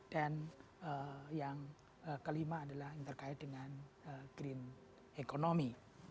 dan yang kelima adalah yang terkait dengan green economy